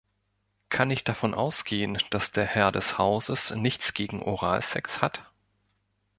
Kann ich davon ausgehen, dass der Herr des Hauses nichts gegen Oralsex hat?